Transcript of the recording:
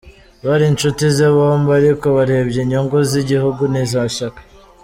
Bari inshuti ze bombi, ariko yarebye inyungu z’igihugu n’izi shyaka.